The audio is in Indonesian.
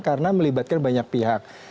karena melibatkan banyak pihak